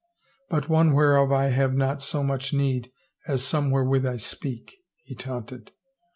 " But one whereof I have not so much need as some wherewith I speak," he taunted.